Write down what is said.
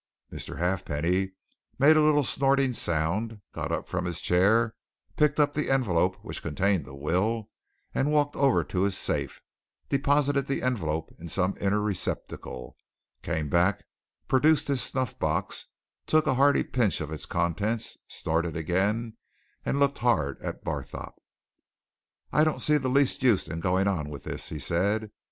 Mr. Halfpenny made a little snorting sound, got up from his chair, picked up the envelope which contained the will, walked over to his safe, deposited the envelope in some inner receptacle, came back, produced his snuff box, took a hearty pinch of its contents, snorted again, and looked hard at Barthorpe. "I don't see the least use in going on with this!" he said.